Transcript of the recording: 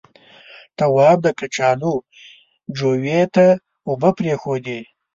تواب د کچالو جويې ته اوبه پرېښودې.